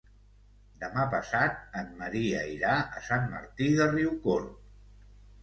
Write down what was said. Demà passat en Maria irà a Sant Martí de Riucorb.